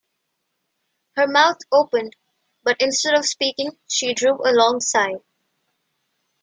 Her mouth opened, but instead of speaking she drew a long sigh.